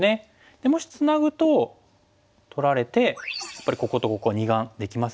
でもしツナぐと取られてやっぱりこことここ二眼できますよね。